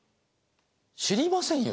知りませんよ